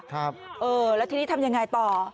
ครับเออแล้วทีนี้ทำยังไงต่อ